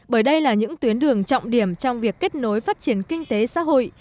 bởi đây là những tuyến đường trọng điểm trong việc kết nối phát triển kinh tế xã hội